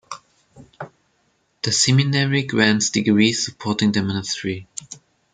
The seminary grants degrees supporting the ministry.